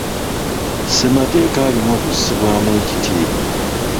Ssemateeka alina okussibwamu ekitiibwa.